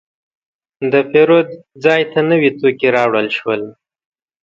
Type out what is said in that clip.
د پیرود ځای ته نوي توکي راوړل شول.